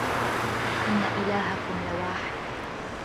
إِنَّ إِلهَكُم لَواحِدٌ